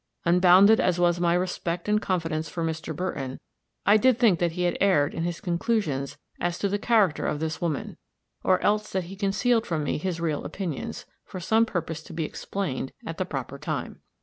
Unbounded as was my respect and confidence for Mr. Burton, I did think that he had erred in his conclusions as to the character of this woman; or else that he concealed from me his real opinions, for some purpose to be explained at the proper time.